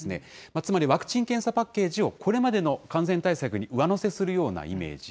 つまり、ワクチン・検査パッケージをこれまでの感染対策に上乗せするようなイメージ。